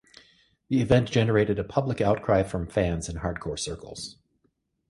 The event generated a public outcry from fans in hardcore circles.